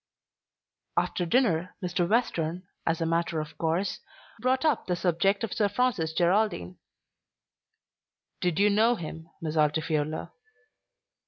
After dinner, Mr. Western, as a matter of course, brought up the subject of Sir Francis Geraldine. "Did you know him, Miss Altifiorla?"